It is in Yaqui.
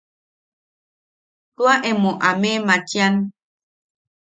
Tua emo a meʼemachian.